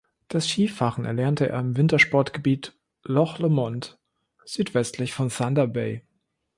Das Skifahren erlernte er im Wintersportgebiet Loch Lomond südwestlich von Thunder Bay.